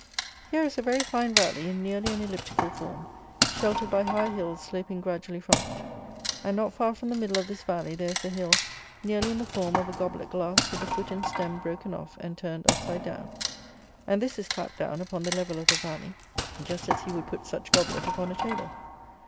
Here is a very fine valley, in nearly an eliptical form, sheltered by high hills sloping gradually from it; and not far from the middle of this valley there is a hill nearly in the form of a goblet glass with the foot and stem broken off and turned upside down. And this is clapped down upon the level of the valley, just as you would put such goblet upon a table.